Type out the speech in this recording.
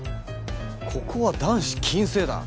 ここは男子禁制だ。